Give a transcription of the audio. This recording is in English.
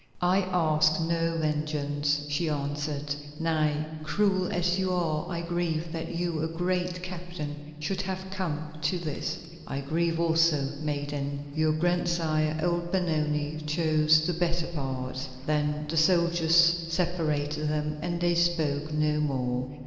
"I ask no vengeance," she answered. "Nay, cruel as you are I grieve that you, a great captain, should have come to this." "I grieve also, maiden. Your grandsire, old Benoni, chose the better part." Then the soldiers separated them and they spoke no more.